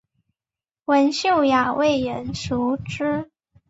文秀雅为人熟知。